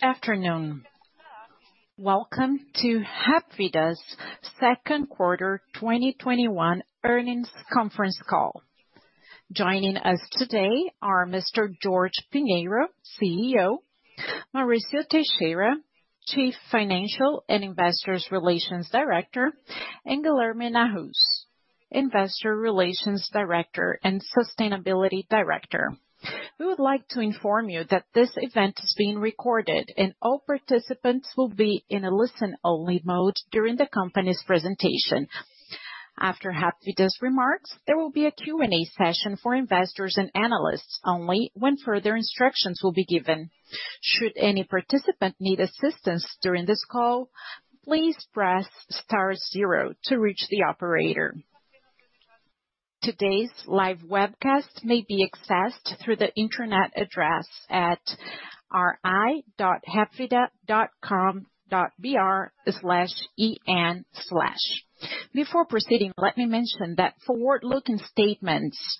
Afternoon. Welcome to Hapvida's second quarter 2021 earnings conference call. Joining us today are Mr. Jorge Pinheiro, CEO, Mauricio Teixeira, Chief Financial and Investor Relations Officer, and Guilherme Nahuz, Investor Relations Director and Sustainability Director. We would like to inform you that this event is being recorded and all participants will be in a listen-only mode during the company's presentation. After Hapvida's remarks, there will be a Q&A session for investors and analysts only when further instructions will be given. Should any participant need assistance during this call, please press star zero to reach the operator. Today's live webcast may be accessed through the internet address at ri.hapvida.com.br/en/. Before proceeding, let me mention that forward-looking statements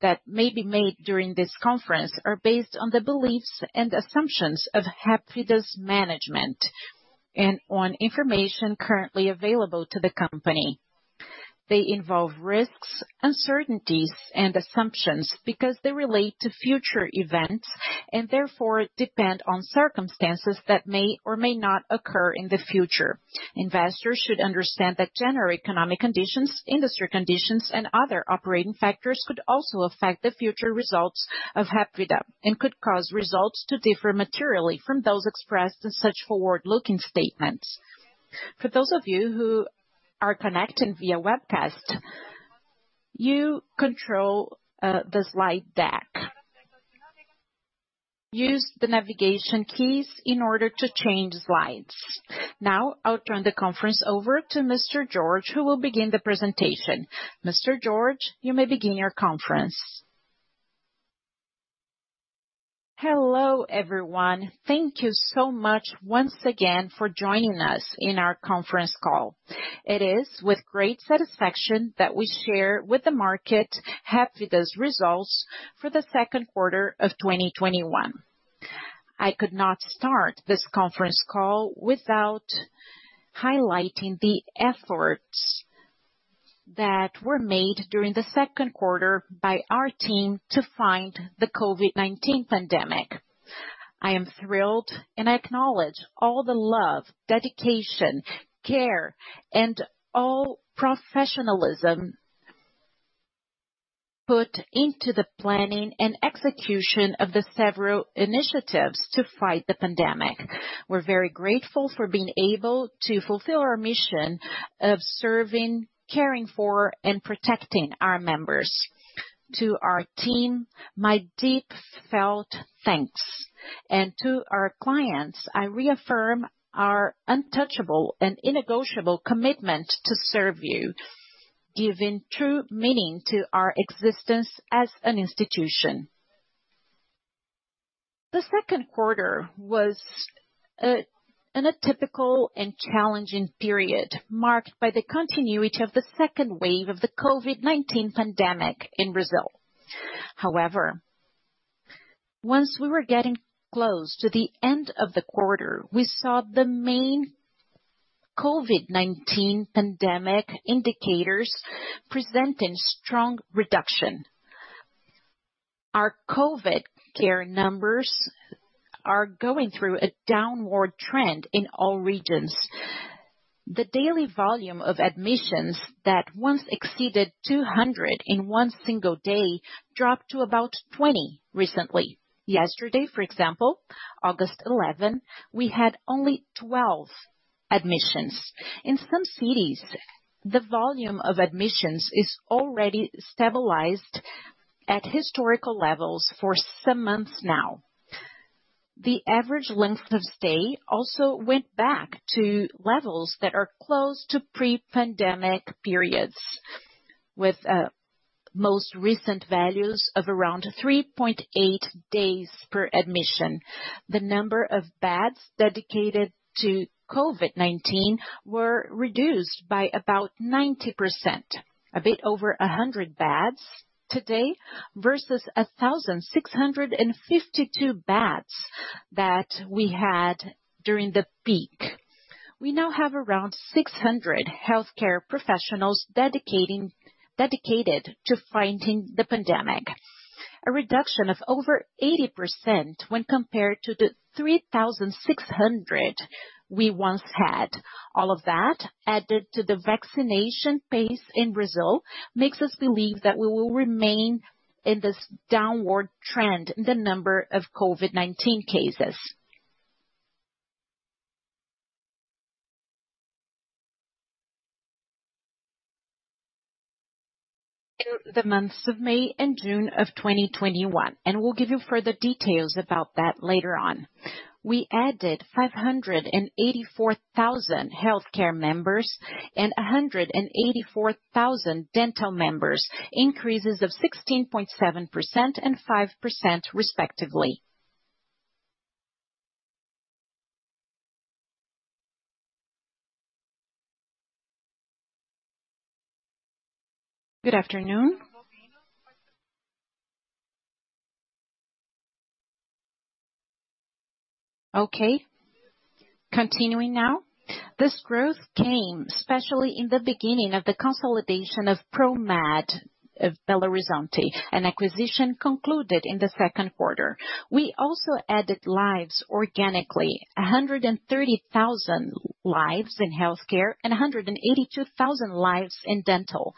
that may be made during this conference are based on the beliefs and assumptions of Hapvida's management, and on information currently available to the company. They involve risks, uncertainties, and assumptions because they relate to future events and therefore depend on circumstances that may or may not occur in the future. Investors should understand that general economic conditions, industry conditions, and other operating factors could also affect the future results of Hapvida and could cause results to differ materially from those expressed in such forward-looking statements. For those of you who are connecting via webcast, you control the slide deck. Use the navigation keys in order to change slides. I'll turn the conference over to Mr. Jorge, who will begin the presentation. Mr. Jorge, you may begin your conference. Hello, everyone. Thank you so much once again for joining us in our conference call. It is with great satisfaction that we share with the market Hapvida's results for the second quarter of 2021. I could not start this conference call without highlighting the efforts that were made during the second quarter by our team to fight the COVID-19 pandemic. I am thrilled, and I acknowledge all the love, dedication, care, and all professionalism put into the planning and execution of the several initiatives to fight the pandemic. We're very grateful for being able to fulfill our mission of serving, caring for, and protecting our members. To our team, my deep felt thanks. To our clients, I reaffirm our untouchable and non-negotiable commitment to serve you, giving true meaning to our existence as an institution. The second quarter was an atypical and challenging period, marked by the continuity of the second wave of the COVID-19 pandemic in Brazil. Once we were getting close to the end of the quarter, we saw the main COVID-19 pandemic indicators presenting strong reduction. Our COVID care numbers are going through a downward trend in all regions. The daily volume of admissions that once exceeded 200 in one single day dropped to about 20 recently. Yesterday, for example, August 11, we had only 12 admissions. In some cities, the volume of admissions is already stabilized at historical levels for some months now. The average length of stay also went back to levels that are close to pre-pandemic periods, with most recent values of around 3.8 days per admission. The number of beds dedicated to COVID-19 were reduced by about 90%, a bit over 100 beds today versus 1,652 beds that we had during the peak. We now have around 600 healthcare professionals dedicated to fighting the pandemic. A reduction of over 80% when compared to the 3,600 we once had. All of that added to the vaccination pace in Brazil makes us believe that we will remain in this downward trend in the number of COVID-19 cases. To the months of May and June of 2021. We'll give you further details about that later on. We added 584,000 healthcare members and 184,000 dental members, increases of 16.7% and 5% respectively. Good afternoon. Okay, continuing now. This growth came especially in the beginning of the consolidation of Promed of Belo Horizonte, an acquisition concluded in the second quarter. We also added lives organically, 130,000 lives in healthcare and 182,000 lives in dental.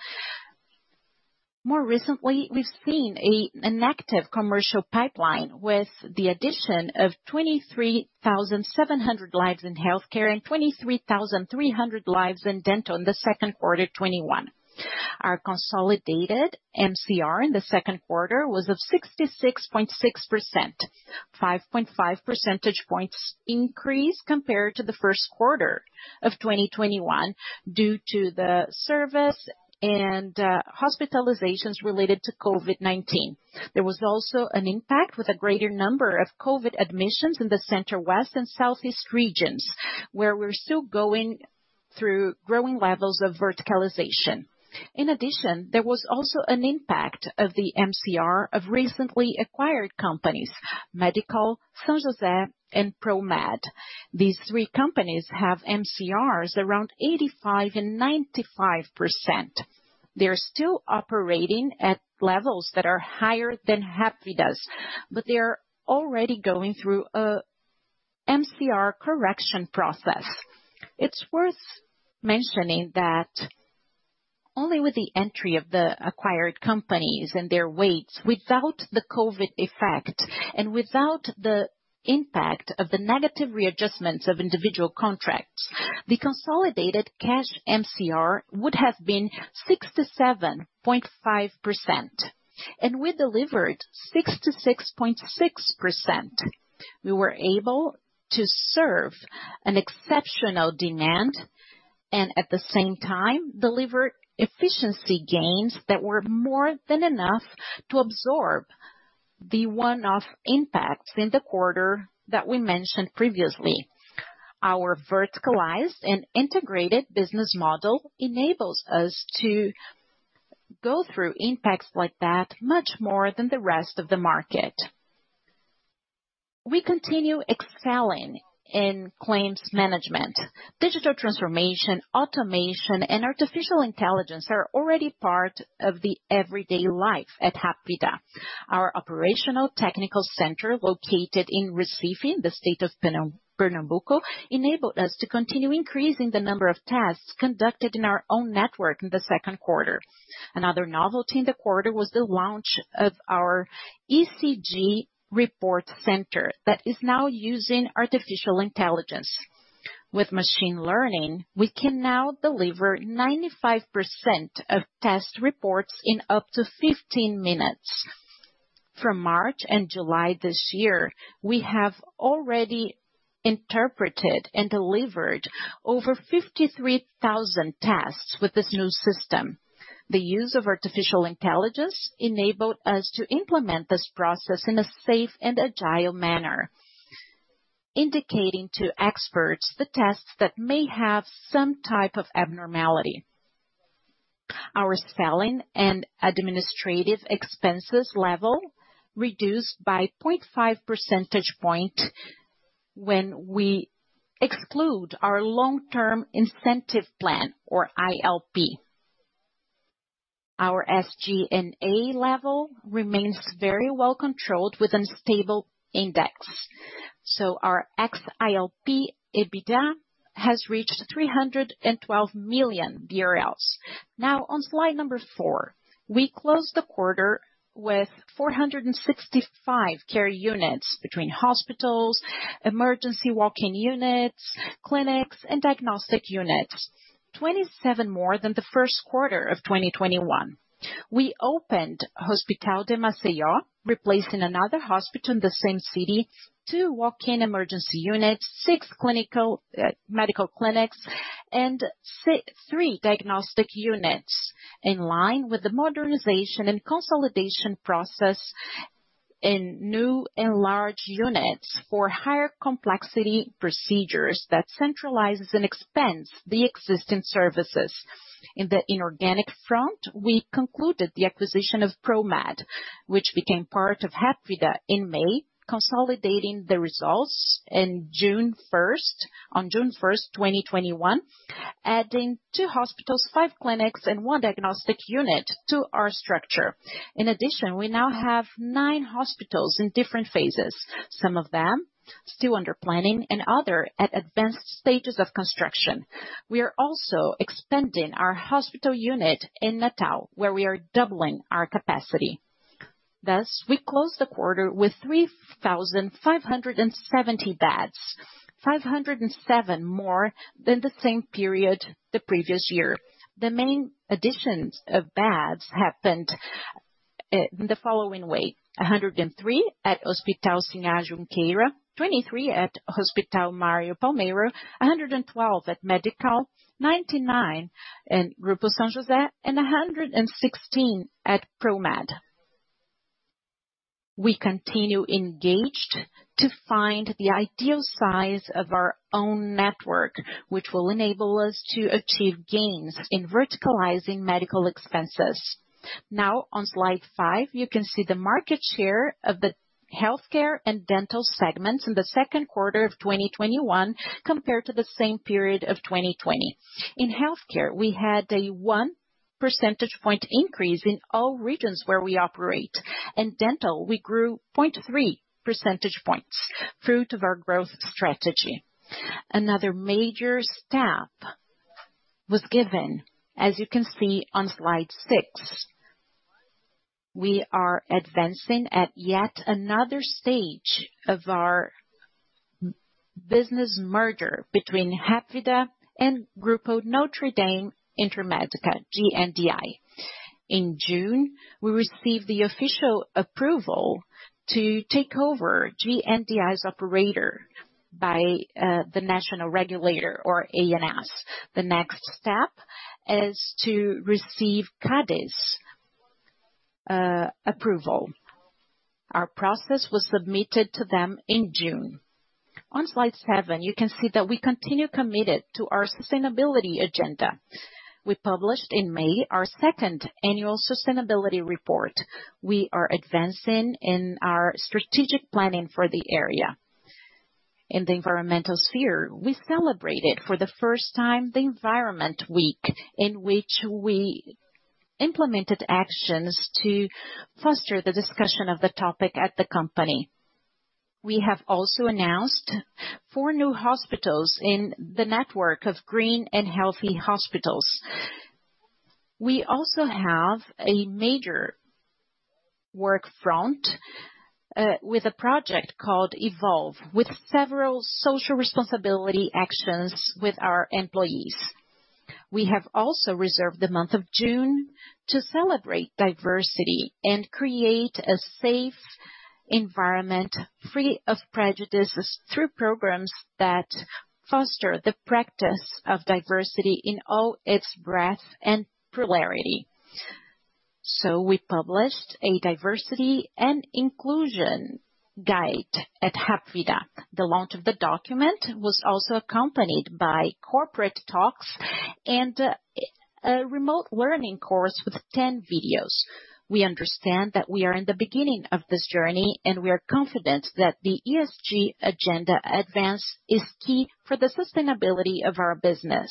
More recently, we've seen an active commercial pipeline with the addition of 23,700 lives in healthcare and 23,300 lives in dental in the second quarter 2021. Our consolidated MCR in the second quarter was of 66.6%, 5.5 percentage points increase compared to the first quarter of 2021 due to the service and hospitalizations related to COVID-19. There was also an impact with a greater number of COVID admissions in the center west and southeast regions, where we're still going through growing levels of verticalization. There was also an impact of the MCR of recently acquired companies, Medical, São José, and Promed. These three companies have MCRs around 85% and 95%. They're still operating at levels that are higher than Hapvida's, but they are already going through a MCR correction process. It's worth mentioning that only with the entry of the acquired companies and their weights, without the COVID effect and without the impact of the negative readjustments of individual contracts, the consolidated cash MCR would have been 67.5%, and we delivered 66.6%. We were able to serve an exceptional demand and, at the same time, deliver efficiency gains that were more than enough to absorb the one-off impacts in the quarter that we mentioned previously. Our verticalized and integrated business model enables us to go through impacts like that much more than the rest of the market. We continue excelling in claims management. Digital transformation, automation, and artificial intelligence are already part of the everyday life at Hapvida. Our operational technical center, located in Recife, the state of Pernambuco, enabled us to continue increasing the number of tests conducted in our own network in the second quarter. Another novelty in the quarter was the launch of our ECG report center that is now using artificial intelligence. With machine learning, we can now deliver 95% of test reports in up to 15 minutes. From March and July this year, we have already interpreted and delivered over 53,000 tests with this new system. The use of artificial intelligence enabled us to implement this process in a safe and agile manner, indicating to experts the tests that may have some type of abnormality. Our selling and administrative expenses level reduced by 0.5 percentage point when we exclude our long-term incentive plan, or ILP. Our SG&A level remains very well controlled with a stable index. Our ex-ILP EBITDA has reached 312 million BRL. On slide number four. We closed the quarter with 465 care units between hospitals, emergency walk-in units, clinics, and diagnostic units, 27 more than the first quarter of 2021. We opened Hospital de Maceió, replacing another hospital in the same city, two walk-in emergency units, six medical clinics, and three diagnostic units in line with the modernization and consolidation process in new and large units for higher complexity procedures that centralizes and expands the existing services. In the inorganic front, we concluded the acquisition of Promed, which became part of Hapvida in May, consolidating the results on June 1st, 2021, adding two hospitals, five clinics, and one diagnostic unit to our structure. In addition, we now have nine hospitals in different phases. Some of them still under planning and other at advanced stages of construction. We are also expanding our hospital unit in Natal, where we are doubling our capacity. Thus, we closed the quarter with 3,570 beds, 507 more than the same period the previous year. The main additions of beds happened in the following way: 103 at Hospital Sírio-Libanês, 23 at Hospital Mário Palmério, 112 at Medical, 99 in Grupo São José, and 116 at Promed. We continue engaged to find the ideal size of our own network, which will enable us to achieve gains in verticalizing medical expenses. Now on slide five, you can see the market share of the healthcare and dental segments in the second quarter of 2021, compared to the same period of 2020. In healthcare, we had a 1 percentage point increase in all regions where we operate. In dental, we grew 0.3 percentage points, fruit of our growth strategy. Another major step was given, as you can see on slide six. We are advancing at yet another stage of our business merger between Hapvida and Grupo NotreDame Intermédica, GNDI. In June, we received the official approval to take over GNDI's operator by the national regulator or ANS. The next step is to receive CADE's approval. Our process was submitted to them in June. On slide seven, you can see that we continue committed to our sustainability agenda. We published in May our second annual sustainability report. We are advancing in our strategic planning for the area. In the environmental sphere, we celebrated for the first time the Environment Week, in which we implemented actions to foster the discussion of the topic at the company. We have also announced four new hospitals in the network of green and healthy hospitals. We also have a major work front with a project called Evolve, with several social responsibility actions with our employees. We have also reserved the month of June to celebrate diversity and create a safe environment free of prejudices through programs that foster the practice of diversity in all its breadth and plurality. We published a diversity and inclusion guide at Hapvida. The launch of the document was also accompanied by corporate talks and a remote learning course with 10 videos. We understand that we are in the beginning of this journey, and we are confident that the ESG agenda advance is key for the sustainability of our business.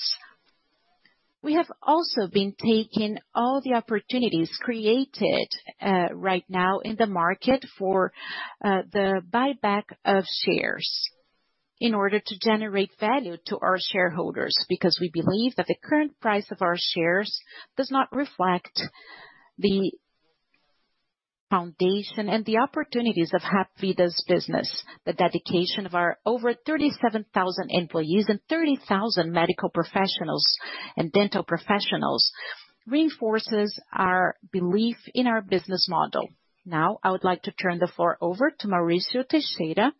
We have also been taking all the opportunities created right now in the market for the buyback of shares in order to generate value to our shareholders, because we believe that the current price of our shares does not reflect the foundation and the opportunities of Hapvida's business. The dedication of our over 37,000 employees and 30,000 medical professionals and dental professionals reinforces our belief in our business model. I would like to turn the floor over to Mauricio Teixeira,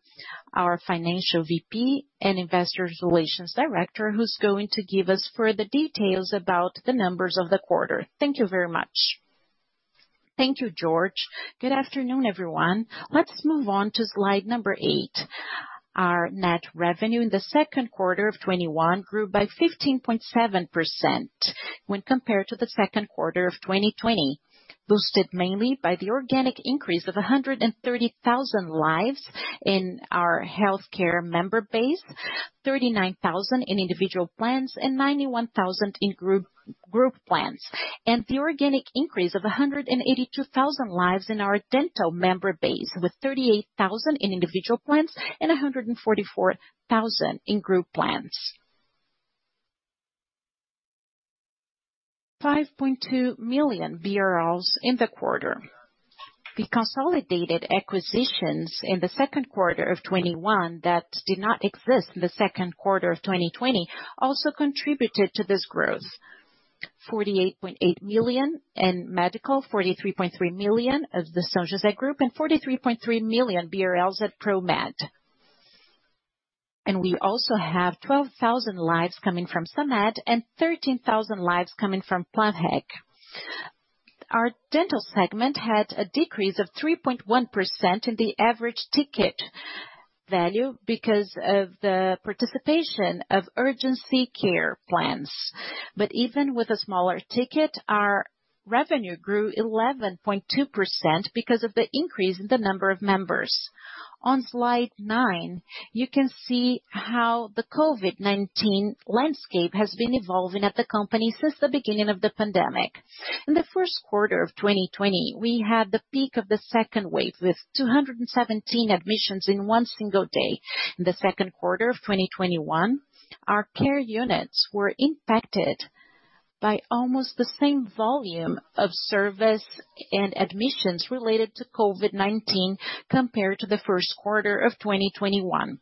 our Financial VP and Investor Relations Director, who's going to give us further details about the numbers of the quarter. Thank you very much. Thank you, Jorge. Good afternoon, everyone. Let's move on to slide number 8. Our net revenue in the second quarter of 2021 grew by 15.7% when compared to the second quarter of 2020, boosted mainly by the organic increase of 130,000 lives in our healthcare member base, 39,000 in individual plans, and 91,000 in group plans. The organic increase of 182,000 lives in our dental member base, with 38,000 in individual plans and 144,000 in group plans. 5.2 million in the quarter. The consolidated acquisitions in the second quarter of 2021 that did not exist in the second quarter of 2020 also contributed to this growth. 48.8 million in Medical, 43.3 million of the São José Group, and 43.3 million BRL at Promed. We also have 12,000 lives coming from Samedh and 13,000 lives coming from Plamheg. Our dental segment had a decrease of 3.1% in the average ticket value because of the participation of urgency care plans. Even with a smaller ticket, our revenue grew 11.2% because of the increase in the number of members. On slide nine, you can see how the COVID-19 landscape has been evolving at the company since the beginning of the pandemic. In the first quarter of 2020, we had the peak of the second wave, with 217 admissions in one single day. In the second quarter of 2021, our care units were impacted by almost the same volume of service and admissions related to COVID-19 compared to the first quarter of 2021.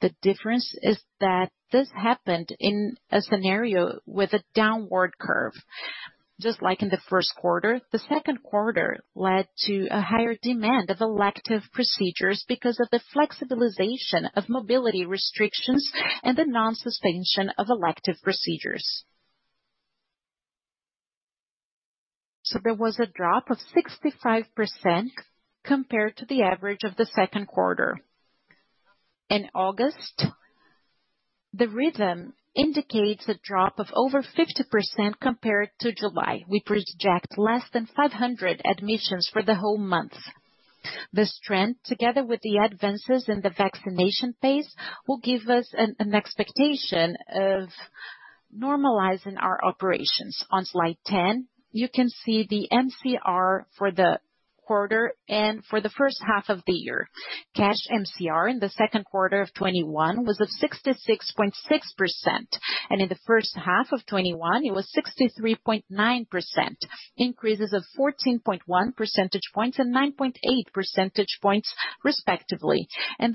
The difference is that this happened in a scenario with a downward curve. Just like in the first quarter, the second quarter led to a higher demand of elective procedures because of the flexibilization of mobility restrictions and the non-suspension of elective procedures. There was a drop of 65% compared to the average of the second quarter. In August, the rhythm indicates a drop of over 50% compared to July. We project less than 500 admissions for the whole month. The strength, together with the advances in the vaccination phase, will give us an expectation of normalizing our operations. On slide 10, you can see the MCR for the quarter and for the first half of the year. Cash MCR in the second quarter of 2021 was of 66.6%, and in the first half of 2021, it was 63.9%, increases of 14.1 percentage points and 9.8 percentage points respectively.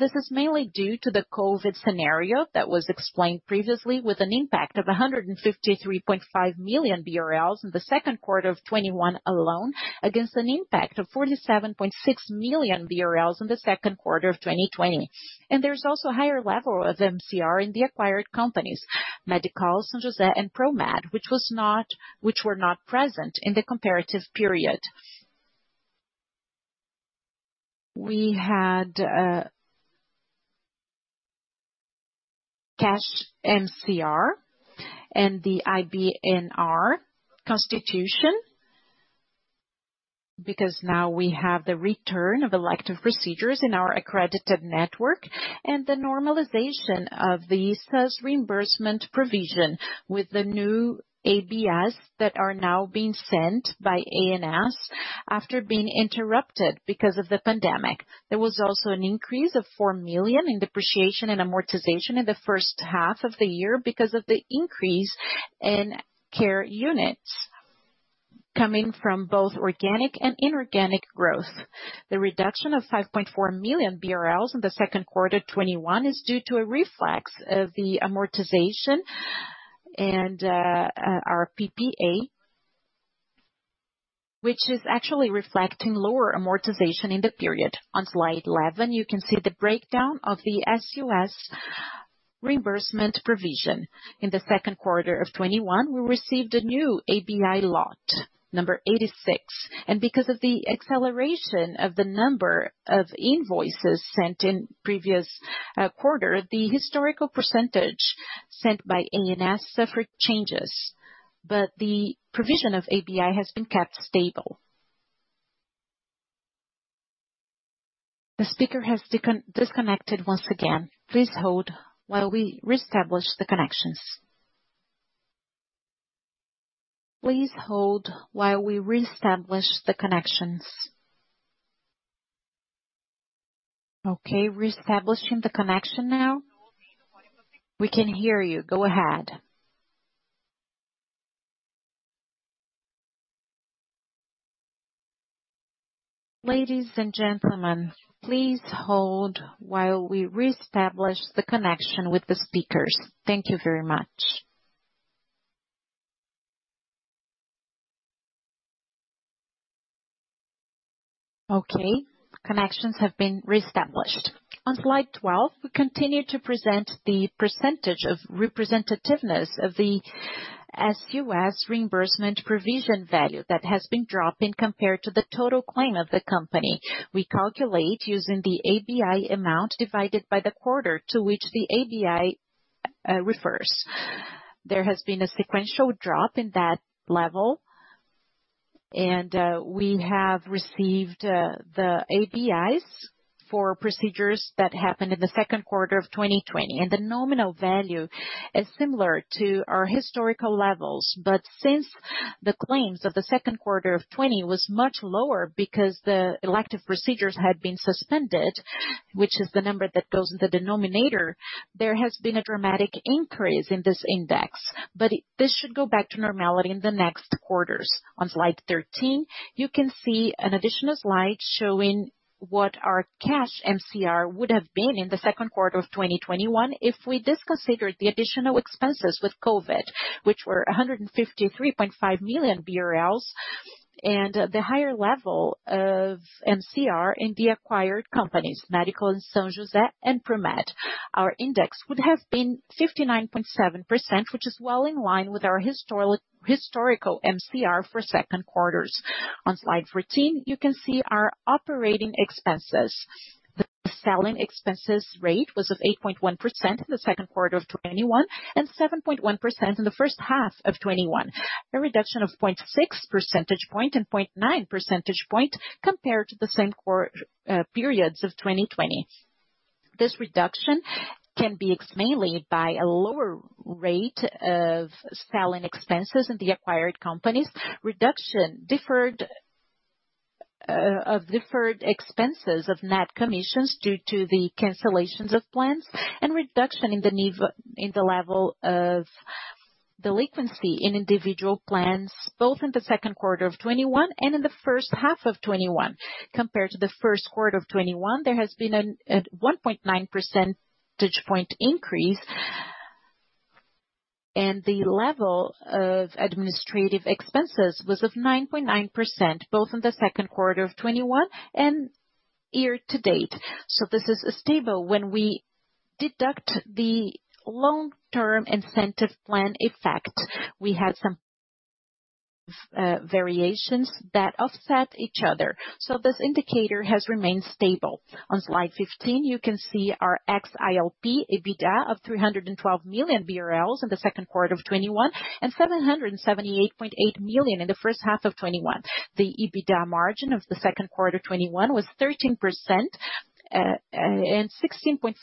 This is mainly due to the COVID scenario that was explained previously, with an impact of 153.5 million BRL in the second quarter of 2021 alone, against an impact of 47.6 million BRL in the second quarter of 2020. There's also a higher level of MCR in the acquired companies, Medical São José and Promed, which were not present in the comparative period. We had cash MCR and the IBNR constitution, because now we have the return of elective procedures in our accredited network and the normalization of the SUS reimbursement provision with the new ABIs that are now being sent by ANS after being interrupted because of the pandemic. There was also an increase of 4 million in depreciation and amortization in the first half of the year because of the increase in care units coming from both organic and inorganic growth. The reduction of 5.4 million BRL in the second quarter 2021 is due to a reflex of the amortization and our PPA, which is actually reflecting lower amortization in the period. On slide 11, you can see the breakdown of the SUS reimbursement provision. In the second quarter of 2021, we received a new ABI lot, number 86. Because of the acceleration of the number of invoices sent in previous quarter, the historical percentage sent by ANS suffered changes. The provision of ABI has been kept stable. The speaker has been disconnected once again. Please hold while we reestablish the connections. Please hold while we reestablish the connections. Okay. Reestablishing the connection now. We can hear you. Go ahead. Ladies and gentlemen, please hold while we reestablish the connection with the speakers. Thank you very much. Okay, connections have been reestablished. On slide 12, we continue to present the percentage of representativeness of the SUS reimbursement provision value that has been dropping compared to the total claim of the company. We calculate using the ABI amount divided by the quarter to which the ABI refers. There has been a sequential drop in that level. We have received the ABIs for procedures that happened in the second quarter of 2020. The nominal value is similar to our historical levels. Since the claims of the second quarter of 2020 was much lower because the elective procedures had been suspended, which is the number that goes in the denominator, there has been a dramatic increase in this index. This should go back to normality in the next quarters. On slide 13, you can see an additional slide showing what our cash MCR would have been in the second quarter of 2021 if we disconsider the additional expenses with COVID, which were 153.5 million BRL, and the higher level of MCR in the acquired companies, Medical, São José and Promed. Our index would have been 59.7%, which is well in line with our historical MCR for second quarters. On slide 14, you can see our operating expenses. The selling expenses rate was of 8.1% in the second quarter of 2021 and 7.1% in the first half of 2021, a reduction of 0.6 percentage point and 0.9 percentage point compared to the same periods of 2020. This reduction can be explained by a lower rate of selling expenses in the acquired companies, reduction of deferred expenses of net commissions due to the cancellations of plans, and reduction in the level of delinquency in individual plans, both in the second quarter of 2021 and in the first half of 2021. Compared to the first quarter of 2021, there has been a 1.9 percentage point increase. The level of administrative expenses was of 9.9%, both in the second quarter of 2021 and year-to-date. This is stable when we deduct the long-term incentive plan effect. We had some variations that offset each other. This indicator has remained stable. On slide 15, you can see our ex ILP EBITDA of 312 million BRL in the second quarter of 2021, and 778.8 million in the first half of 2021. The EBITDA margin of the second quarter of 2021 was 13%, and 16.5% in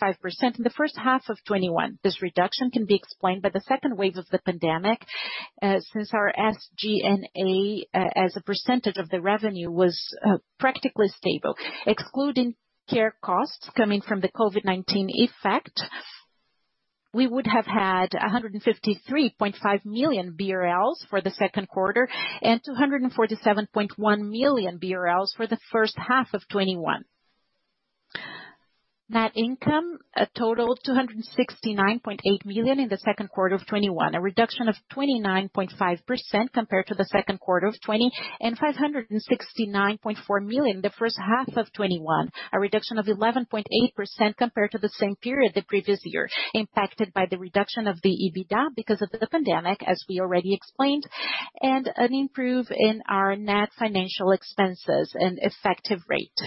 the first half of 2021. This reduction can be explained by the second wave of the pandemic, since our SG&A, as a percentage of the revenue, was practically stable. Excluding care costs coming from the COVID-19 effect, we would have had 153.5 million BRL for the second quarter, and 247.1 million BRL for the first half of 2021. Net income, a total of 269.8 million in the second quarter of 2021. A reduction of 29.5% compared to the second quarter of 2020, and 569.4 million the first half of 2021. A reduction of 11.8% compared to the same period the previous year, impacted by the reduction of the EBITDA because of the pandemic, as we already explained, and an improve in our net financial expenses and effective rate.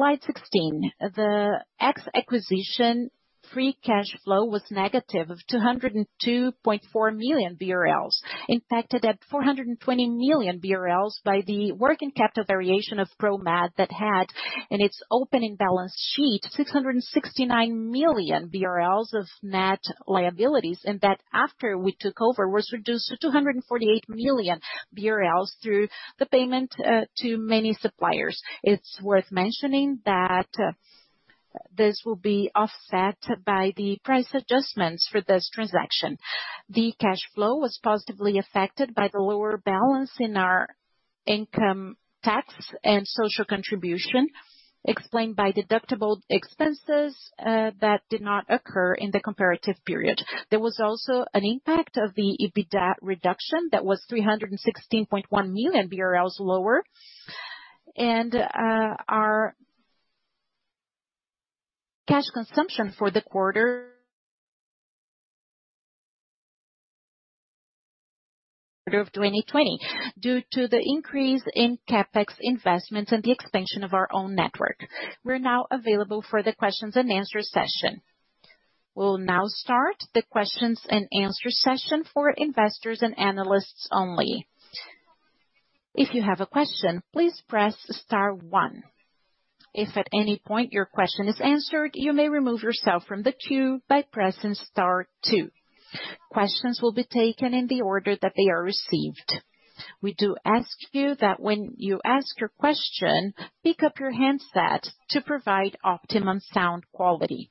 Slide 16. The ex acquisition free cash flow was negative of 202.4 million BRL, impacted at 420 million BRL by the working capital variation of Promed that had in its opening balance sheet 669 million BRL of net liabilities, and that after we took over, was reduced to 248 million BRL through the payment to many suppliers. It's worth mentioning that this will be offset by the price adjustments for this transaction. The cash flow was positively affected by the lower balance in our income tax and social contribution, explained by deductible expenses that did not occur in the comparative period. There was also an impact of the EBITDA reduction that was 316.1 million BRL lower. Our cash consumption for the quarter of 2020 due to the increase in CapEx investments and the expansion of our own network. We're now available for the questions and answers session. We'll now start the questions and answer session for investors and analysts only. If you have a question, please press star one. If at any point your question is answered, you may remove yourself from the queue by pressing star two. Questions will be taken in the order that they are received. We do ask you that when you ask your question, pick up your handset to provide optimum sound quality.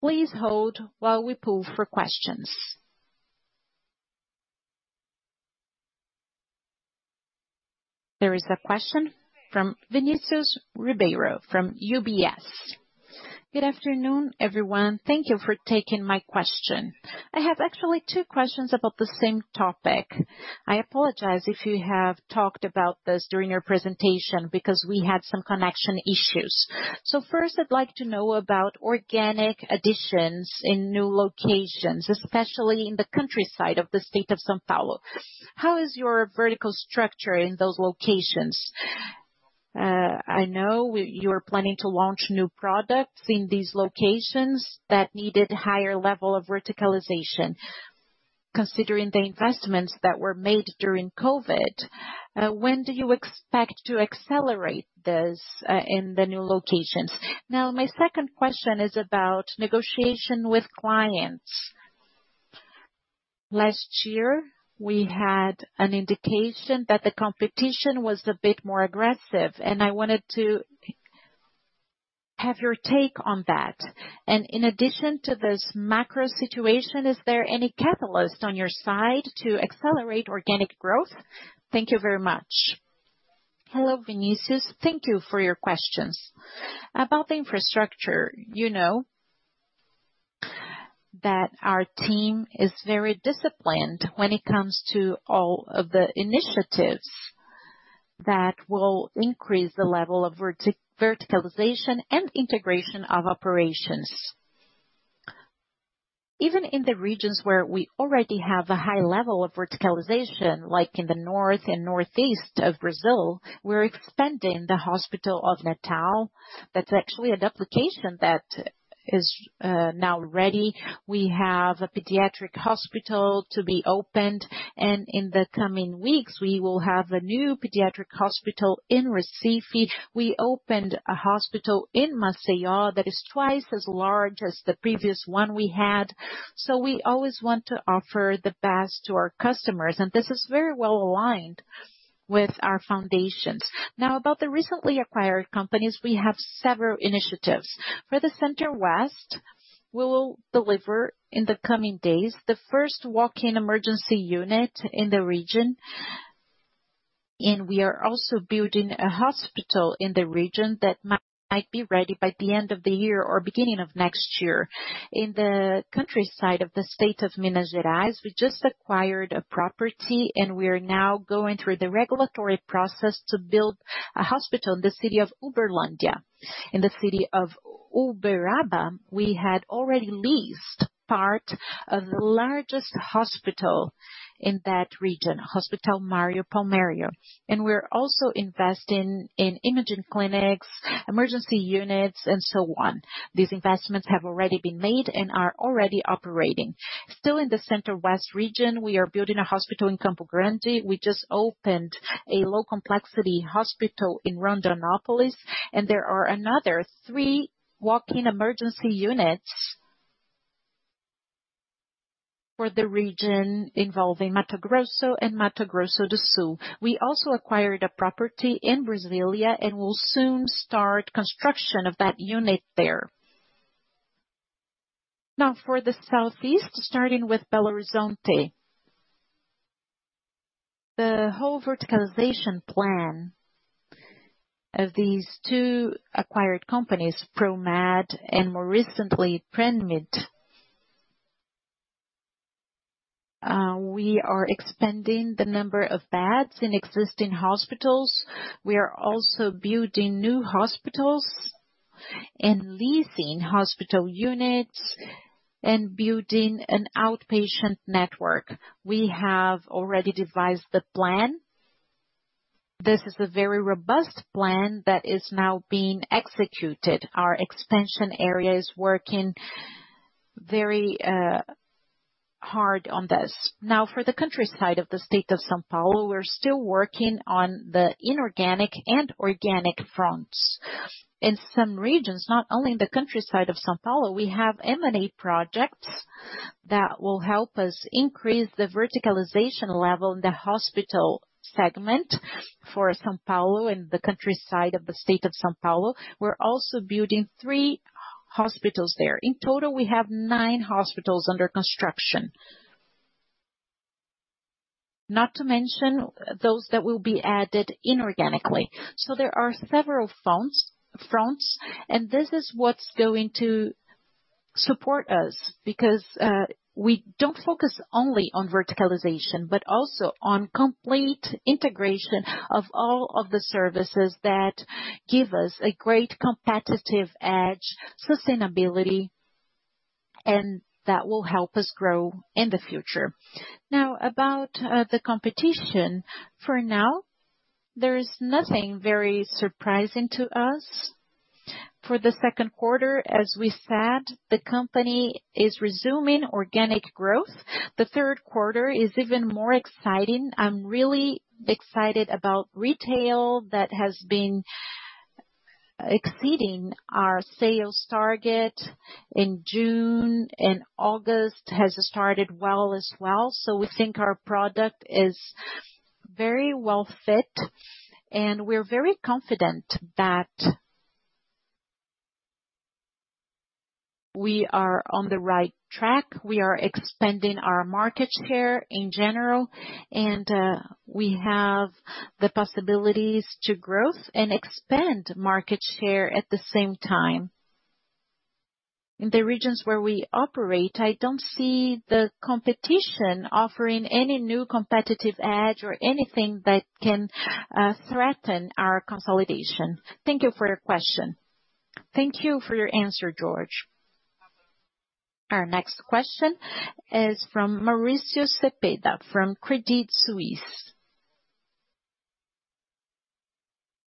Please hold while we pull for questions. There is a question from Vinicius Ribeiro from UBS. Good afternoon, everyone. Thank you for taking my question. I have actually two questions about the same topic. I apologize if you have talked about this during your presentation because we had some connection issues. First, I'd like to know about organic additions in new locations, especially in the countryside of the state of São Paulo. How is your vertical structure in those locations? I know you are planning to launch new products in these locations that needed higher level of verticalization. Considering the investments that were made during COVID, when do you expect to accelerate this in the new locations? My second question is about negotiation with clients. Last year, we had an indication that the competition was a bit more aggressive, and I wanted to have your take on that. In addition to this macro situation, is there any catalyst on your side to accelerate organic growth? Thank you very much. Hello, Vinicius. Thank you for your questions. About the infrastructure, you know that our team is very disciplined when it comes to all of the initiatives that will increase the level of verticalization and integration of operations. Even in the regions where we already have a high level of verticalization, like in the North and Northeast of Brazil, we're expanding the hospital of Natal. That's actually a duplication that is now ready. We have a pediatric hospital to be opened, and in the coming weeks, we will have a new pediatric hospital in Recife. We opened a hospital in Maceió that is twice as large as the previous one we had. We always want to offer the best to our customers, and this is very well aligned with our foundations. Now, about the recently acquired companies, we have several initiatives. For the Center West, we will deliver in the coming days, the first walk-in emergency unit in the region. We are also building a hospital in the region that might be ready by the end of the year or beginning of next year. In the countryside of the state of Minas Gerais, we just acquired a property, and we are now going through the regulatory process to build a hospital in the city of Uberlândia. In the city of Uberaba, we had already leased part of the largest hospital in that region, Hospital Mário Palmério. We're also investing in imaging clinics, emergency units, and so on. These investments have already been made and are already operating. Still in the Center West region, we are building a hospital in Campo Grande. We just opened a low complexity hospital in Rondonópolis, and there are another three walk-in emergency units for the region involving Mato Grosso and Mato Grosso do Sul. We also acquired a property in Brasília, and we'll soon start construction of that unit there. Now, for the Southeast, starting with Belo Horizonte. The whole verticalization plan of these two acquired companies, Promed and more recently, Plamheg. We are expanding the number of beds in existing hospitals. We are also building new hospitals and leasing hospital units and building an outpatient network. We have already devised the plan. This is a very robust plan that is now being executed. Our expansion area is working very hard on this. For the countryside of the state of São Paulo, we're still working on the inorganic and organic fronts. In some regions, not only in the countryside of São Paulo, we have M&A projects that will help us increase the verticalization level in the hospital segment for São Paulo and the countryside of the state of São Paulo. We're also building three hospitals there. In total, we have nine hospitals under construction. Not to mention those that will be added inorganically. There are several fronts, and this is what's going to support us because we don't focus only on verticalization, but also on complete integration of all of the services that give us a great competitive edge, sustainability, and that will help us grow in the future. About the competition. For now, there is nothing very surprising to us. For the second quarter, as we said, the company is resuming organic growth. The third quarter is even more exciting. I'm really excited about retail that has been exceeding our sales target in June, and August has started well as well. We think our product is very well fit, and we're very confident that we are on the right track. We are expanding our market share in general, and we have the possibilities to growth and expand market share at the same time. In the regions where we operate, I don't see the competition offering any new competitive edge or anything that can threaten our consolidation. Thank you for your question. Thank you for your answer, Jorge. Our next question is from Mauricio Cepeda, from Credit Suisse.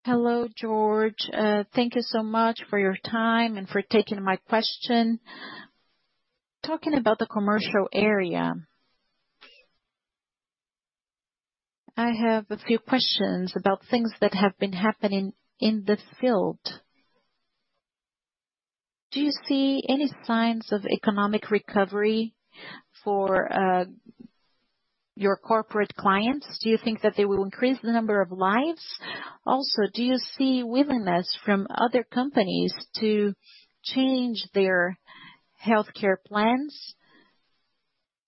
Hello, Jorge. Thank you so much for your time and for taking my question. Talking about the commercial area, I have a few questions about things that have been happening in the field. Do you see any signs of economic recovery for your corporate clients? Do you think that they will increase the number of lives? Do you see willingness from other companies to change their healthcare plans?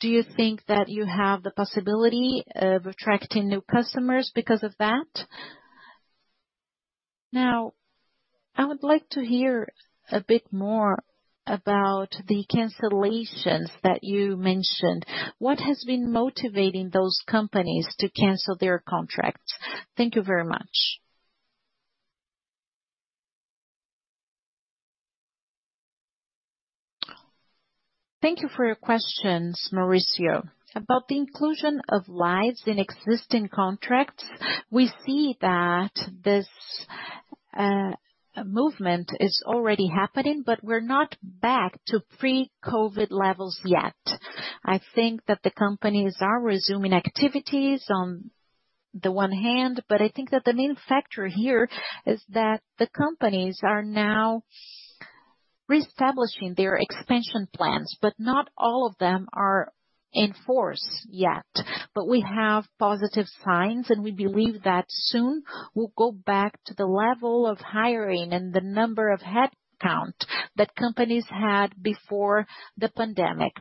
Do you think that you have the possibility of attracting new customers because of that? I would like to hear a bit more about the cancellations that you mentioned. What has been motivating those companies to cancel their contracts? Thank you very much. Thank you for your questions, Mauricio. About the inclusion of lives in existing contracts, we see that this movement is already happening, but we're not back to pre-COVID levels yet. I think that the companies are resuming activities on the one hand, but I think that the main factor here is that the companies are now reestablishing their expansion plans, but not all of them are in force yet. We have positive signs, and we believe that soon we'll go back to the level of hiring and the number of headcount that companies had before the pandemic.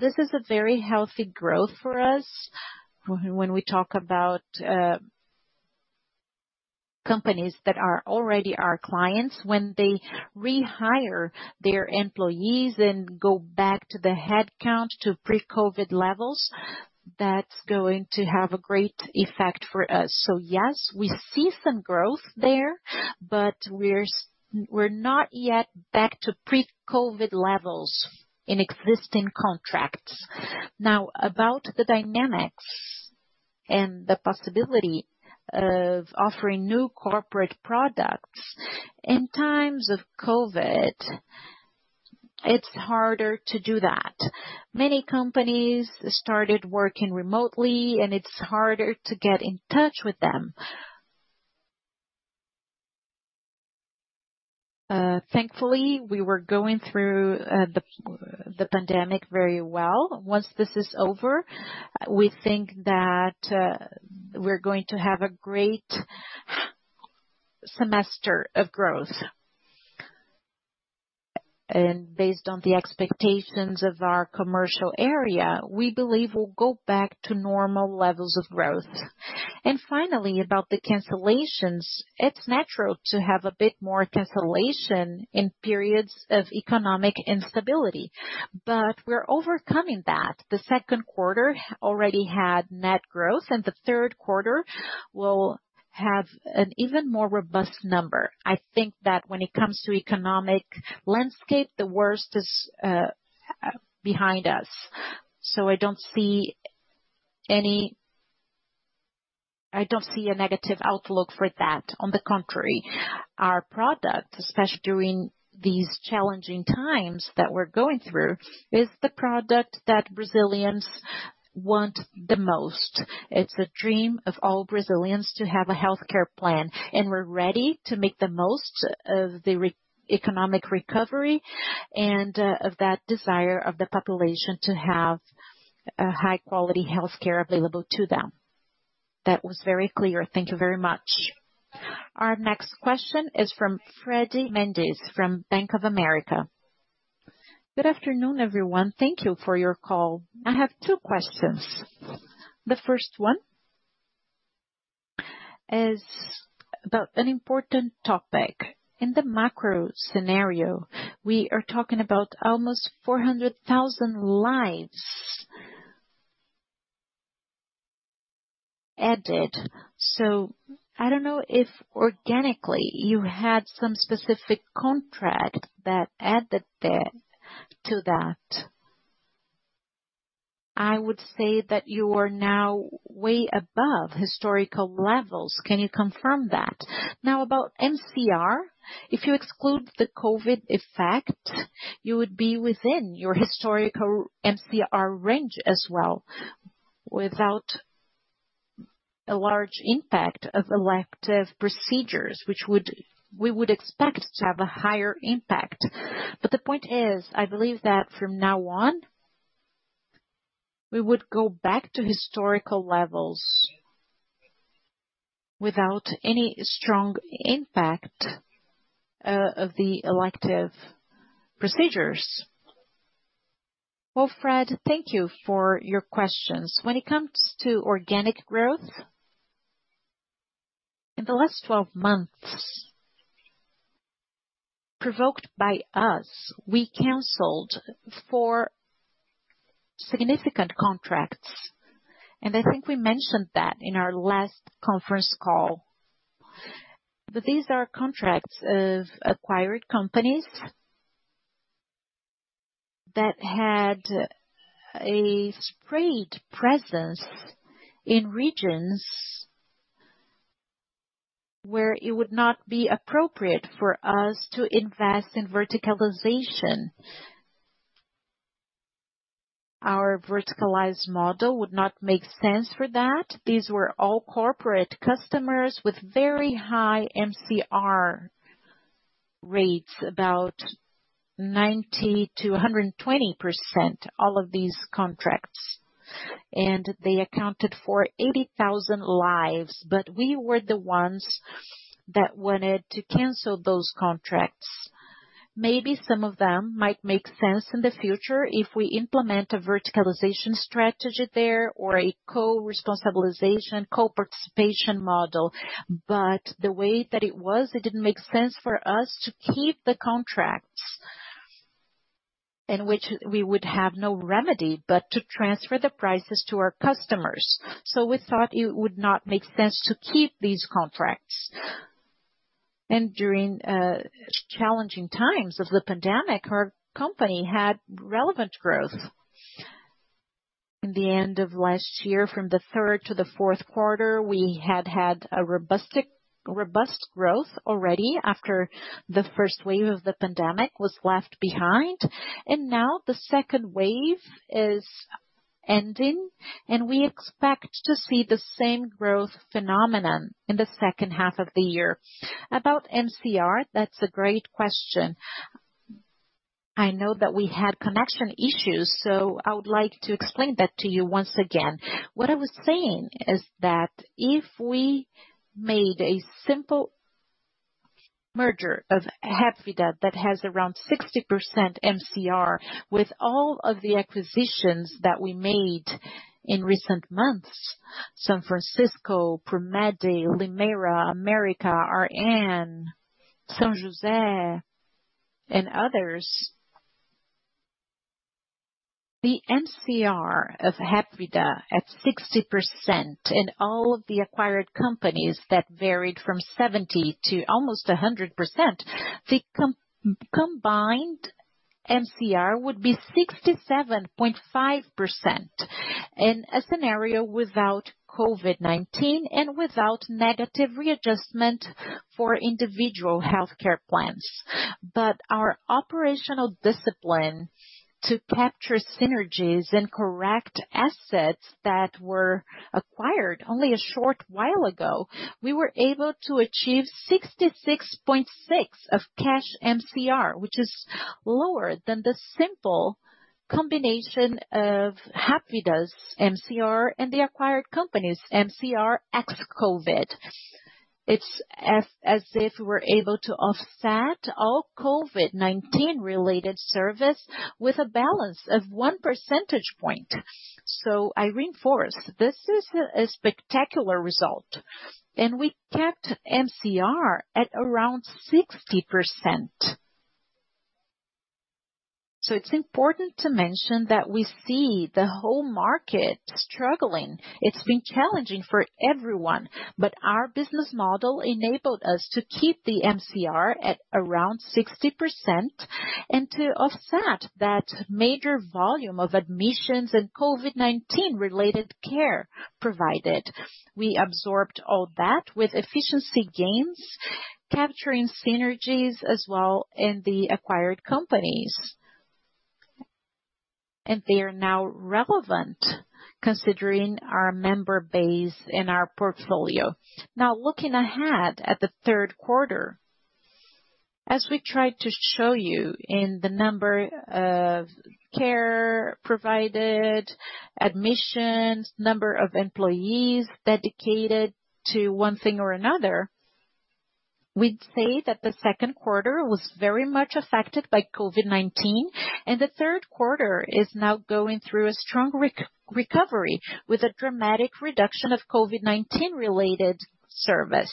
This is a very healthy growth for us. When we talk about companies that are already our clients, when they rehire their employees and go back to the headcount to pre-COVID levels, that's going to have a great effect for us. Yes, we see some growth there, but we're not yet back to pre-COVID levels in existing contracts. About the dynamics and the possibility of offering new corporate products. In times of COVID, it's harder to do that. Many companies started working remotely, and it's harder to get in touch with them. Thankfully, we were going through the pandemic very well. Once this is over, we think that we're going to have a great semester of growth. Based on the expectations of our commercial area, we believe we'll go back to normal levels of growth. Finally, about the cancellations. It's natural to have a bit more cancellation in periods of economic instability, but we're overcoming that. The second quarter already had net growth, and the third quarter will have an even more robust number. I think that when it comes to economic landscape, the worst is behind us. I don't see a negative outlook for that. On the contrary, our product, especially during these challenging times that we're going through, is the product that Brazilians want the most. It's a dream of all Brazilians to have a healthcare plan, and we're ready to make the most of the economic recovery and of that desire of the population to have a high-quality healthcare available to them. That was very clear. Thank you very much. Our next question is from Fred Mendes from Bank of America. Good afternoon, everyone. Thank you for your call. I have two questions. The first one is about an important topic. In the macro scenario, we are talking about almost 400,000 lives added. I don't know if organically you had some specific contract that added to that. I would say that you are now way above historical levels. Can you confirm that? About MCR, if you exclude the COVID effect, you would be within your historical MCR range as well, without a large impact of elective procedures, which we would expect to have a higher impact. The point is, I believe that from now on, we would go back to historical levels without any strong impact of the elective procedures. Well, Fred, thank you for your questions. When it comes to organic growth, in the last 12 months, provoked by us, we canceled four significant contracts, and I think we mentioned that in our last conference call. These are contracts of acquired companies that had a great presence in regions where it would not be appropriate for us to invest in verticalization. Our verticalized model would not make sense for that. These were all corporate customers with very high MCR rates, about 90%-120%, all of these contracts, and they accounted for 80,000 lives. We were the ones that wanted to cancel those contracts. Maybe some of them might make sense in the future if we implement a verticalization strategy there or a co-responsibilization, co-participation model. The way that it was, it didn't make sense for us to keep the contracts. In which we would have no remedy but to transfer the prices to our customers. We thought it would not make sense to keep these contracts. During challenging times of the pandemic, our company had relevant growth. In the end of last year, from the third to the fourth quarter, we had had a robust growth already after the first wave of the pandemic was left behind. Now the second wave is ending, and we expect to see the same growth phenomenon in the second half of the year. About MCR, that's a great question. I know that we had connection issues, so I would like to explain that to you once again. What I was saying is that if we made a simple merger of Hapvida, that has around 60% MCR, with all of the acquisitions that we made in recent months, São Francisco, Promed, Limeira, América, RN, São José, and others. The MCR of Hapvida at 60%, and all of the acquired companies that varied from 70% to almost 100%, the combined MCR would be 67.5% in a scenario without COVID-19 and without negative readjustment for individual healthcare plans. Our operational discipline to capture synergies and correct assets that were acquired only a short while ago, we were able to achieve 66.6% of cash MCR, which is lower than the simple combination of Hapvida's MCR and the acquired companies MCR ex-COVID. It's as if we're able to offset all COVID-19-related service with a balance of 1 percentage point. I reinforce, this is a spectacular result, and we kept MCR at around 60%. It's important to mention that we see the whole market struggling. It's been challenging for everyone. Our business model enabled us to keep the MCR at around 60% and to offset that major volume of admissions and COVID-19 related care provided. We absorbed all that with efficiency gains, capturing synergies as well in the acquired companies. They are now relevant considering our member base and our portfolio. Looking ahead at the third quarter, as we tried to show you in the number of care provided, admissions, number of employees dedicated to one thing or another, we'd say that the second quarter was very much affected by COVID-19, and the third quarter is now going through a strong recovery with a dramatic reduction of COVID-19 related service.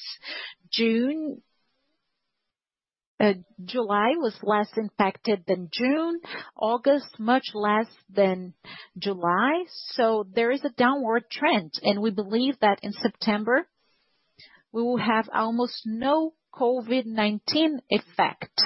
July was less impacted than June, August much less than July. There is a downward trend, we believe that in September, we will have almost no COVID-19 effect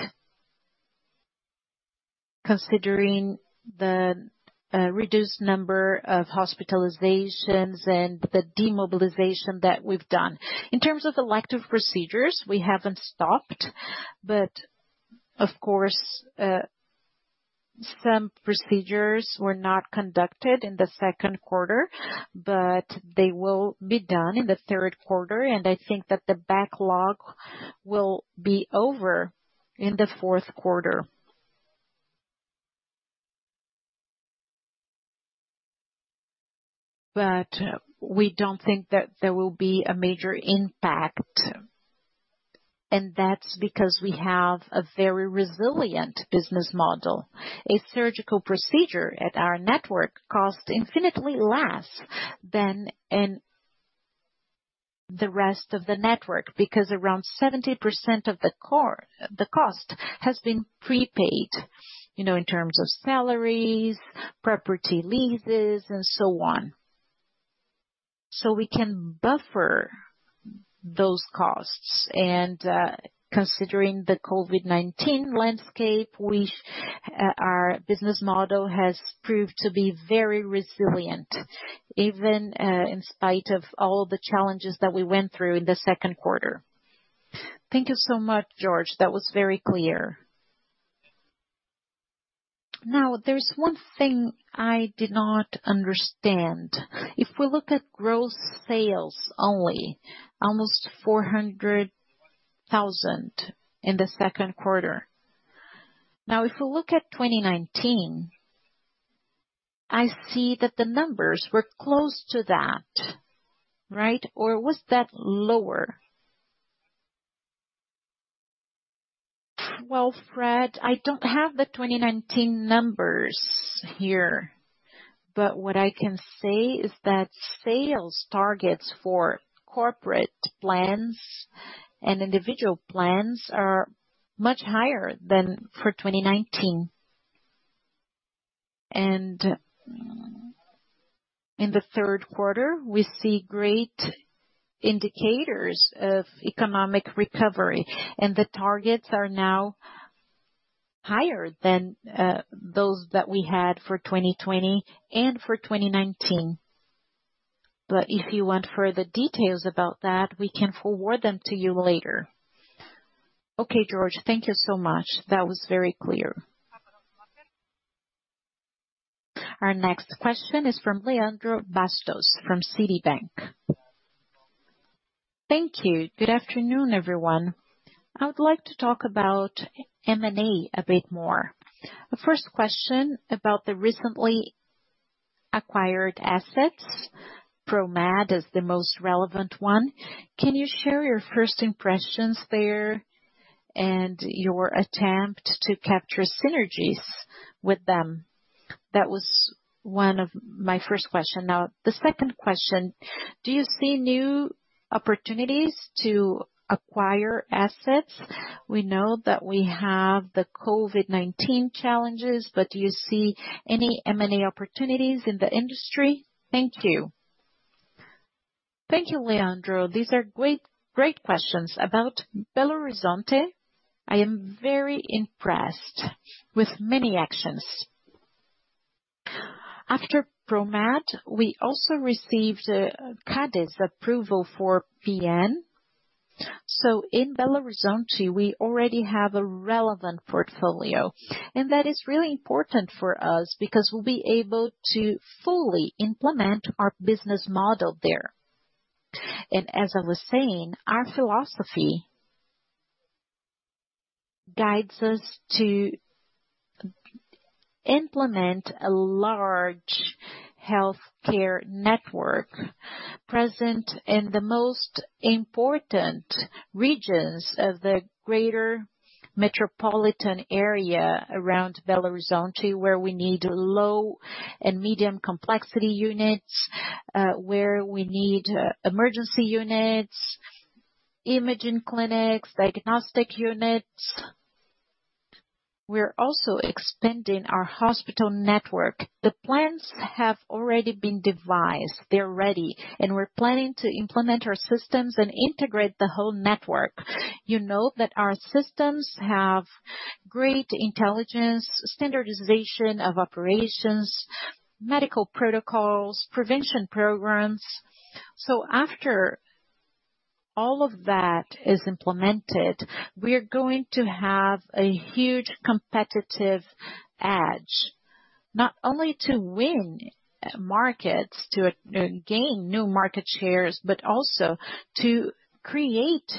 considering the reduced number of hospitalizations and the demobilization that we've done. In terms of elective procedures, we haven't stopped. Of course, some procedures were not conducted in the second quarter, they will be done in the third quarter, I think that the backlog will be over in the fourth quarter. We don't think that there will be a major impact, that's because we have a very resilient business model. A surgical procedure at our network costs infinitely less than in the rest of the network, because around 70% of the cost has been prepaid, in terms of salaries, property leases, and so on. We can buffer those costs. Considering the COVID-19 landscape, our business model has proved to be very resilient, even in spite of all the challenges that we went through in the second quarter. Thank you so much, Jorge. That was very clear. There's one thing I did not understand. If we look at gross sales, only almost 400,000 in the second quarter. If we look at 2019, I see that the numbers were close to that, right? Or was that lower? Well, Fred, I don't have the 2019 numbers here. What I can say is that sales targets for corporate plans and individual plans are much higher than for 2019. In the third quarter, we see great indicators of economic recovery, and the targets are now higher than those that we had for 2020 and for 2019. If you want further details about that, we can forward them to you later. Okay, Jorge, thank you so much. That was very clear. Our next question is from Leandro Bastos from Citi. Thank you. Good afternoon, everyone. I would like to talk about M&A a bit more. The first question about the recently acquired assets, Promed is the most relevant one. Can you share your first impressions there and your attempt to capture synergies with them? That was one of my first question. The second question, do you see new opportunities to acquire assets? We know that we have the COVID-19 challenges, but do you see any M&A opportunities in the industry? Thank you. Thank you, Leandro. These are great questions. About Belo Horizonte, I am very impressed with many actions. After Promed, we also received a CADE approval for PN. In Belo Horizonte, we already have a relevant portfolio, and that is really important for us because we'll be able to fully implement our business model there. As I was saying, our philosophy guides us to implement a large healthcare network present in the most important regions of the greater metropolitan area around Belo Horizonte, where we need low and medium complexity units, where we need emergency units, imaging clinics, diagnostic units. We're also expanding our hospital network. The plans have already been devised, they're ready, and we're planning to implement our systems and integrate the whole network. You know that our systems have great intelligence, standardization of operations, medical protocols, prevention programs. After all of that is implemented, we are going to have a huge competitive edge. Not only to win markets, to gain new market shares, but also to create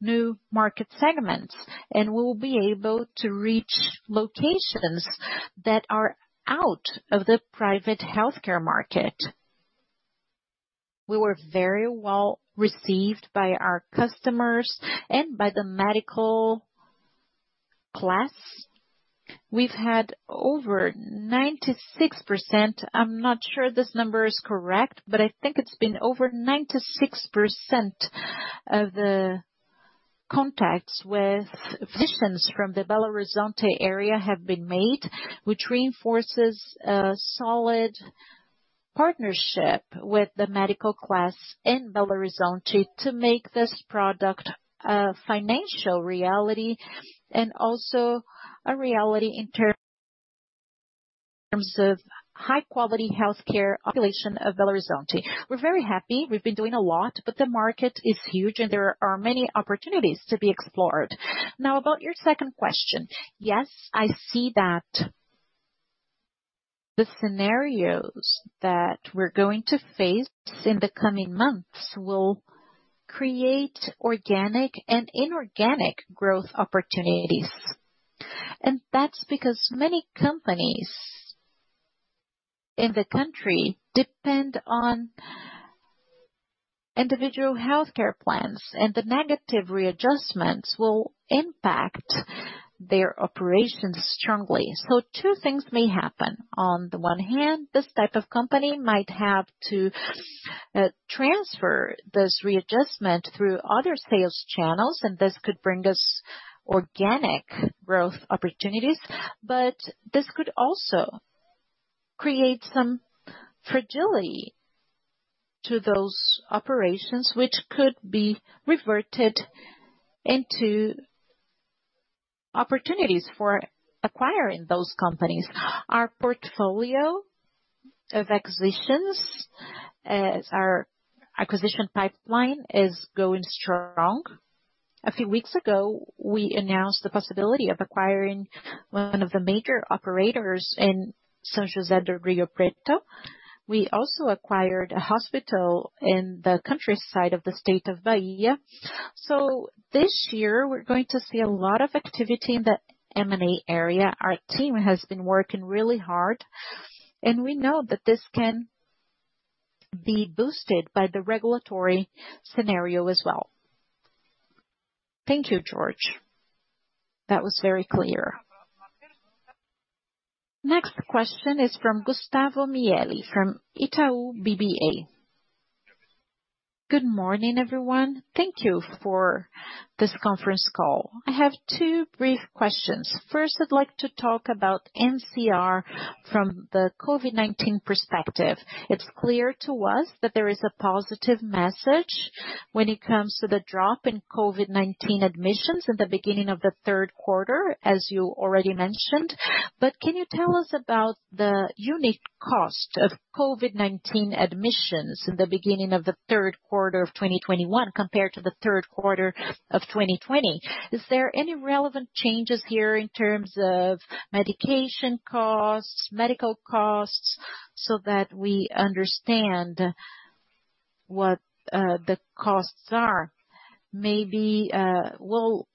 new market segments. We'll be able to reach locations that are out of the private healthcare market. We were very well received by our customers and by the medical class. We've had over 96%, I'm not sure this number is correct, but I think it's been over 96% of the contacts with physicians from the Belo Horizonte area have been made, which reinforces a solid partnership with the medical class in Belo Horizonte to make this product a financial reality and also a reality in terms of high quality healthcare population of Belo Horizonte. We're very happy. We've been doing a lot, but the market is huge and there are many opportunities to be explored. Now, about your second question. Yes, I see that the scenarios that we're going to face in the coming months will create organic and inorganic growth opportunities. That's because many companies in the country depend on individual healthcare plans, and the negative readjustments will impact their operations strongly. Two things may happen. On the one hand, this type of company might have to transfer this readjustment through other sales channels, and this could bring us organic growth opportunities, but this could also create some fragility to those operations which could be reverted into opportunities for acquiring those companies. Our portfolio of acquisitions, our acquisition pipeline is going strong. A few weeks ago, we announced the possibility of acquiring one of the major operators in São José do Rio Preto. We also acquired a hospital in the countryside of the state of Bahia. This year we're going to see a lot of activity in the M&A area. Our team has been working really hard, and we know that this can be boosted by the regulatory scenario as well. Thank you, Jorge. That was very clear. Next question is from Gustavo Miele, from Itaú BBA. Good morning, everyone. Thank you for this conference call. I have two brief questions. First, I'd like to talk about MCR from the COVID-19 perspective. It's clear to us that there is a positive message when it comes to the drop in COVID-19 admissions in the beginning of the third quarter, as you already mentioned. But can you tell us about the unit cost of COVID-19 admissions in the beginning of the third quarter of 2021 compared to the third quarter of 2020? Is there any relevant changes here in terms of medication costs, medical costs, so that we understand what the costs are. Maybe will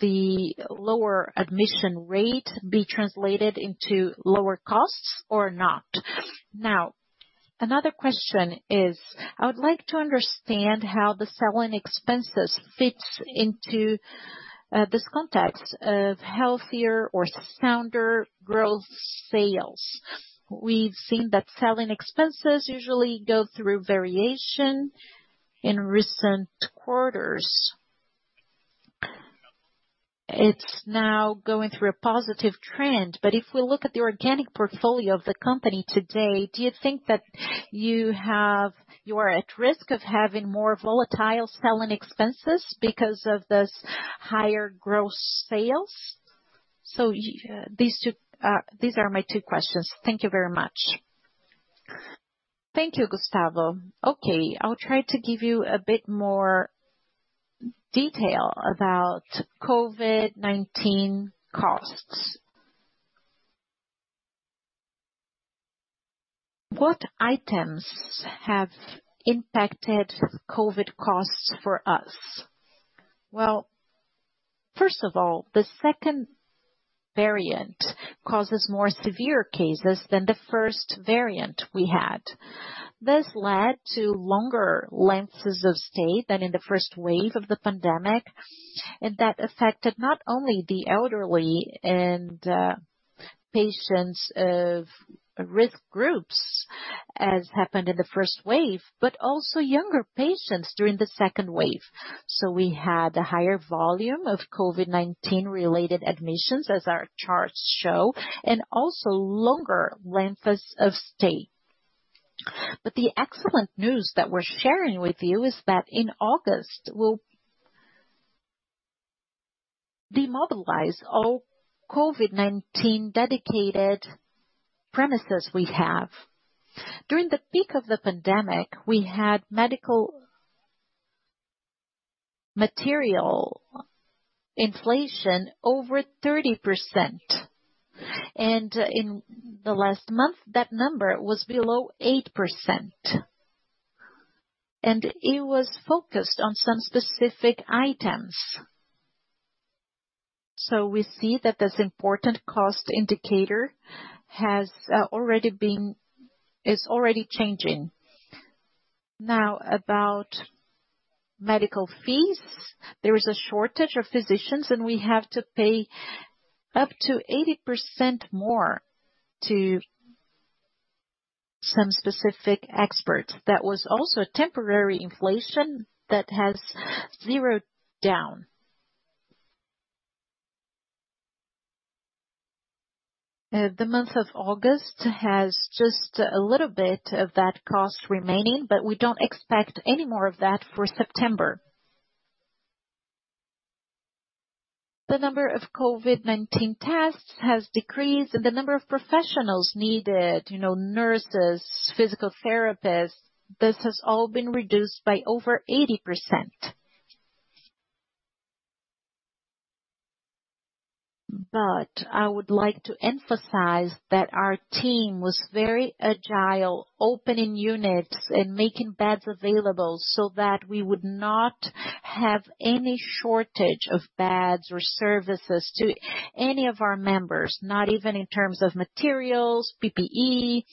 the lower admission rate be translated into lower costs or not? Now, another question is, I would like to understand how the selling expenses fits into this context of healthier or sounder growth sales. We've seen that selling expenses usually go through variation in recent quarters. It's now going through a positive trend, if we look at the organic portfolio of the company today, do you think that you are at risk of having more volatile selling expenses because of this higher gross sales? These are my two questions. Thank you very much. Thank you, Gustavo. Okay. I'll try to give you a bit more detail about COVID-19 costs. What items have impacted COVID costs for us? Well, first of all, the second variant causes more severe cases than the first variant we had. This led to longer lengths of stay than in the first wave of the pandemic, that affected not only the elderly and patients of risk groups as happened in the first wave, but also younger patients during the second wave. We had a higher volume of COVID-19 related admissions as our charts show, also longer lengths of stay. The excellent news that we're sharing with you is that in August we'll demobilize all COVID-19 dedicated premises we have. During the peak of the pandemic, we had medical material inflation over 30%, in the last month that number was below 8%, it was focused on some specific items. We see that this important cost indicator is already changing. Now about medical fees. There is a shortage of physicians, we have to pay up to 80% more to some specific experts. That was also a temporary inflation that has zeroed down. The month of August has just a little bit of that cost remaining, but we don't expect any more of that for September. The number of COVID-19 tests has decreased and the number of professionals needed, nurses, physical therapists, this has all been reduced by over 80%. I would like to emphasize that our team was very agile, opening units and making beds available so that we would not have any shortage of beds or services to any of our members, not even in terms of materials, PPE,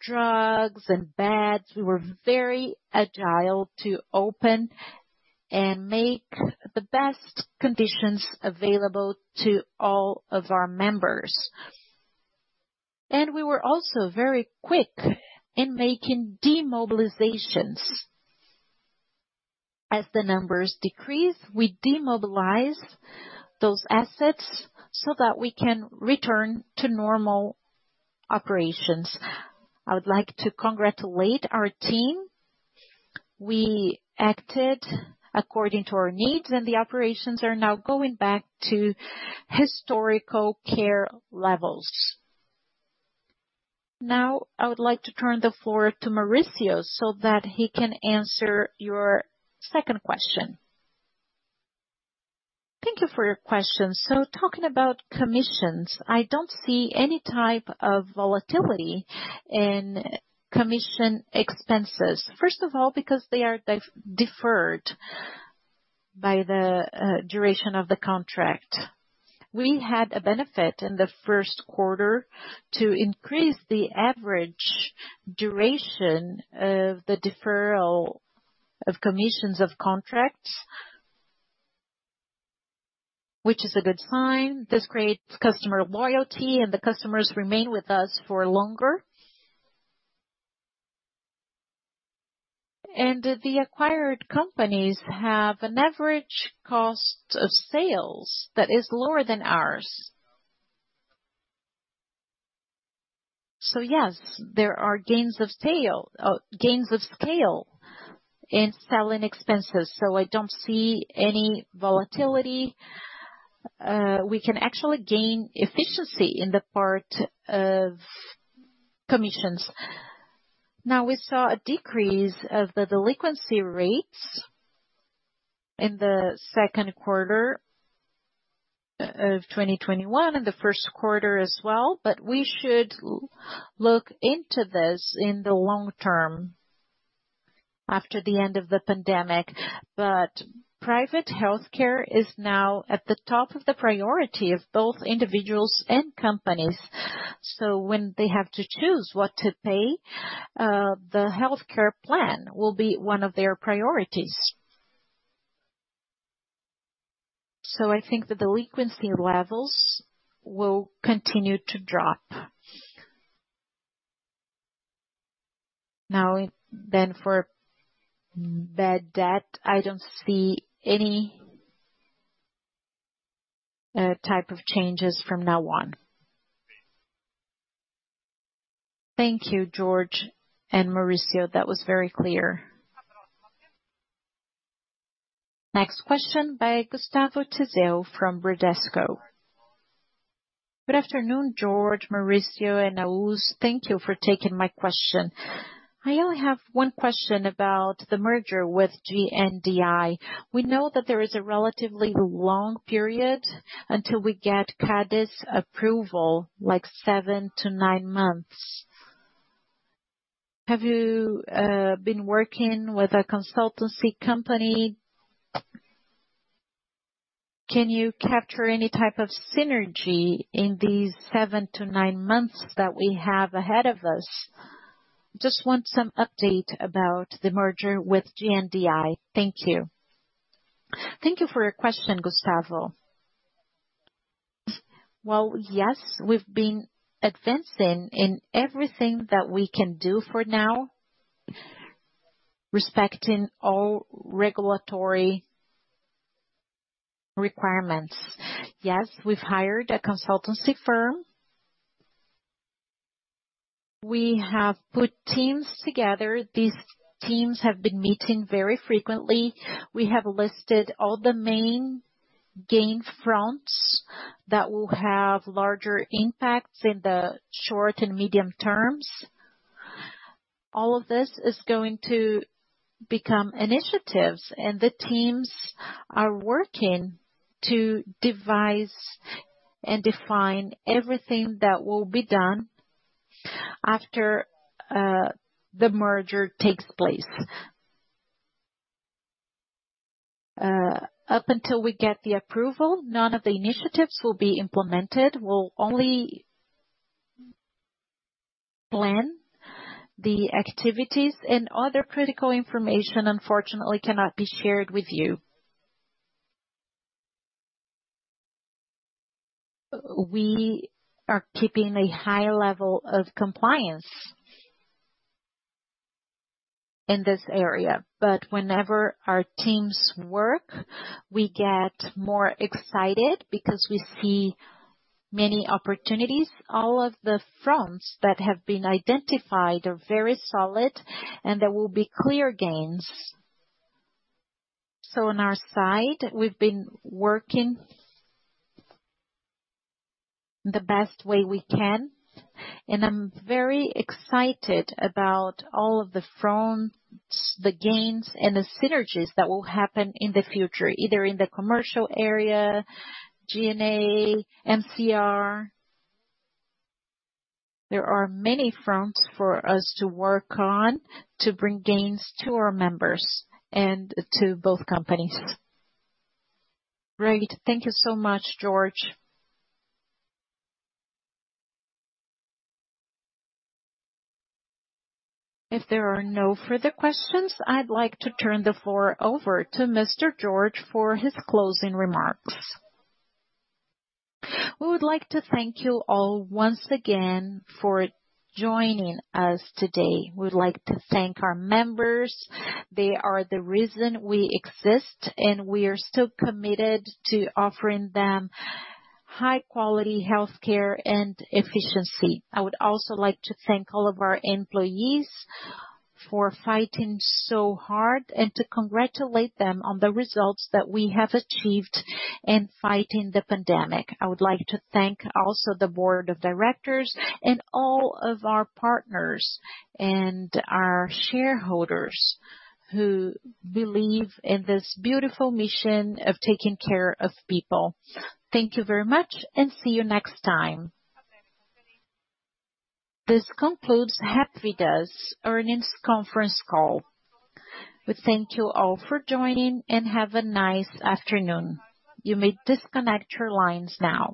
drugs and beds. We were very agile to open and make the best conditions available to all of our members. We were also very quick in making demobilizations. As the numbers decrease, we demobilize those assets so that we can return to normal operations. I would like to congratulate our team. We acted according to our needs and the operations are now going back to historical care levels. I would like to turn the floor to Mauricio so that he can answer your second question. Thank you for your question. Talking about commissions, I don't see any type of volatility in commission expenses. First of all, because they are deferred by the duration of the contract. We had a benefit in the first quarter to increase the average duration of the deferral of commissions of contracts, which is a good sign. This creates customer loyalty and the customers remain with us for longer. The acquired companies have an average cost of sales that is lower than ours. Yes, there are gains of scale in selling expenses, so I don't see any volatility. We can actually gain efficiency in the part of commissions. We saw a decrease of the delinquency rates in the second quarter of 2021, and the first quarter as well. We should look into this in the long term, after the end of the pandemic. Private healthcare is now at the top of the priority of both individuals and companies. When they have to choose what to pay, the healthcare plan will be one of their priorities. I think the delinquency levels will continue to drop. For bad debt, I don't see any type of changes from now on. Thank you, Jorge and Mauricio. That was very clear. Next question by Gustavo Tiseo from Bradesco. Good afternoon, Jorge, Mauricio, and Nahuz. Thank you for taking my question. I only have one question about the merger with GNDI. We know that there is a relatively long period until we get CADE approval, like seven to nine months. Have you been working with a consultancy company? Can you capture any type of synergy in these seven to nine months that we have ahead of us? Just want some update about the merger with GNDI. Thank you. Thank you for your question, Gustavo. Well, yes, we've been advancing in everything that we can do for now, respecting all regulatory requirements. Yes, we've hired a consultancy firm. We have put teams together. These teams have been meeting very frequently. We have listed all the main gain fronts that will have larger impacts in the short and medium terms. All of this is going to become initiatives, and the teams are working to devise and define everything that will be done after the merger takes place. Up until we get the approval, none of the initiatives will be implemented. We'll only plan the activities, and other critical information, unfortunately, cannot be shared with you. We are keeping a high level of compliance in this area. Whenever our teams work, we get more excited because we see many opportunities. All of the fronts that have been identified are very solid, and there will be clear gains. On our side, we've been working the best way we can, and I'm very excited about all of the fronts, the gains, and the synergies that will happen in the future, either in the commercial area, G&A, MCR. There are many fronts for us to work on to bring gains to our members and to both companies. Great. Thank you so much, Jorge. If there are no further questions, I'd like to turn the floor over to Mr. Jorge for his closing remarks. We would like to thank you all once again for joining us today. We would like to thank our members. They are the reason we exist, and we are still committed to offering them high-quality healthcare and efficiency. I would also like to thank all of our employees for fighting so hard and to congratulate them on the results that we have achieved in fighting the pandemic. I would like to thank also the board of directors and all of our partners and our shareholders who believe in this beautiful mission of taking care of people. Thank you very much and see you next time. This concludes Hapvida's earnings conference call. We thank you all for joining and have a nice afternoon. You may disconnect your lines now.